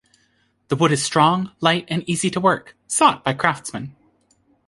The wood is strong, light, and easy to work, sought by craftsmen.